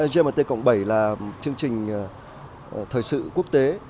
gmt cộng bảy là chương trình thời sự quốc tế